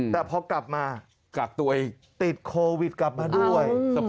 แต่พอกลับมาติดโควิดกลับมาด้วย